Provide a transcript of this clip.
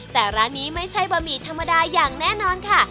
แต่ร้านนี้ไม่ใช่บะหมี่ธรรมดาอย่างแน่นอนค่ะ